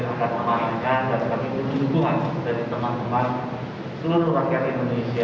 dan kami berdukungan dari teman teman seluruh rakyat indonesia